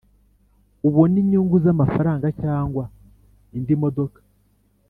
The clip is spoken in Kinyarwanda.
ubone inyungu z amafaranga cyangwa indi modoka